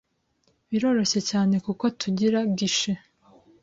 Biroroshye cyane kuko tugira guichet